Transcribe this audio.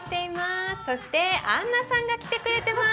そしてアンナさんが来てくれてます。